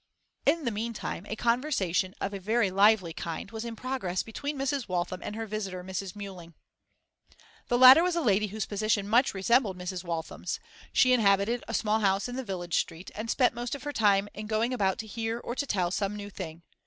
In the meantime a conversation of a very lively kind was in progress between Mrs. Waltham and her visitor, Mrs. Mewling. The latter was a lady whose position much resembled Mrs. Waltham's: she inhabited a small house in the village street, and spent most of her time in going about to hear or to tell some new thing.